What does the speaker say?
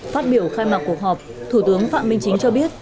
phát biểu khai mạc cuộc họp thủ tướng phạm minh chính cho biết